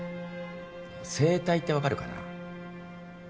声帯って分かるかな？